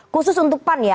khusus untuk pan ya